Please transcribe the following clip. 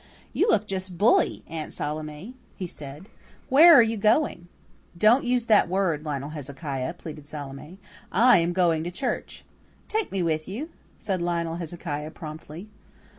"You look just bully, Aunt Salome," he said. "Where are you going?" "Don't use that word, Lionel Hezekiah," pleaded Salome. "I'm going to church." "Take me with you," said Lionel Hezekiah promptly.